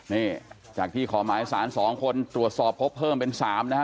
นี่จากที่ขอหมายสาร๒คนตรวจสอบพบเพิ่มเป็น๓นะฮะ